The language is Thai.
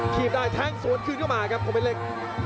ขีบด้ายธนสวนขึ้นเข้ามาครับคมเพลล็ก